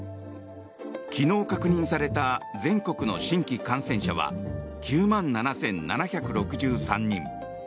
昨日確認された全国の新規感染者は９万７７６３人。